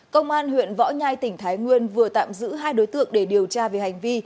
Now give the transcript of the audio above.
công an huyện võ nhai tỉnh thái nguyên vừa tạm giữ hai đối tượng để điều tra về hành vi